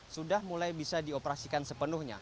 sudah mulai bisa dioperasikan sepenuhnya